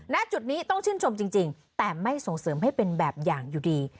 ณจุดนี้ต้องชื่นชมจริงแต่ไม่ส่งเสริมให้เป็นแบบอย่างอยู่ดี